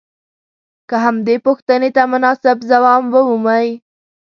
که همدې پوښتنې ته مناسب ځواب ومومئ.